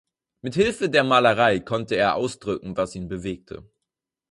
Mit Hilfe der Malerei konnte er ausdrücken, was ihn bewegte.